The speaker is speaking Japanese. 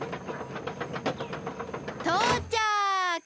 とうちゃく！